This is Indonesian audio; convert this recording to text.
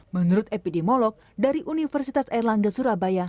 menurut epidemiolog dari universitas airlangga surabaya